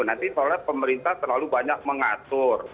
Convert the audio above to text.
nanti soalnya pemerintah terlalu banyak mengatur